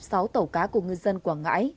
sáu tàu cá của ngư dân quảng ngãi